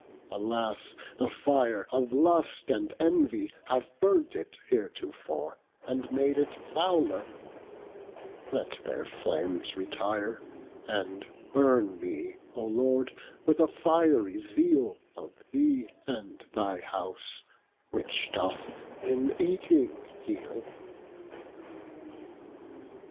alas the fire Of lust and envie have burnt it heretofore, And made it fouler; Let their flames retire, And burne me o Lord, with a fiery zeale Of thee and thy house, which doth in eating heale.